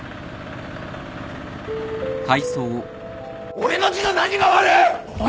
俺の字の何が悪い！